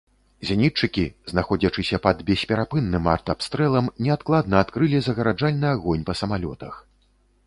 Зенітчыкі, знаходзячыся пад бесперапынным артабстрэлам, неадкладна адкрылі загараджальны агонь па самалётах.